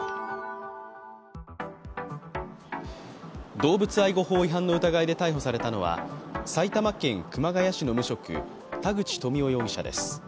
動物愛護法違反の疑いで逮捕されたのは、埼玉県熊谷市の無職田口富夫容疑者です。